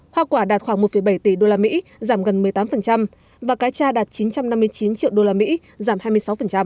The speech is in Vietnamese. hoa quả đạt khoảng một bảy tỷ đô la mỹ giảm gần một mươi tám và cái cha đạt chín trăm năm mươi chín triệu đô la mỹ giảm hai mươi sáu